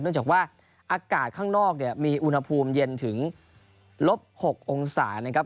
เนื่องจากว่าอากาศข้างนอกมีอุณหภูมิเย็นถึงลบ๖องศานะครับ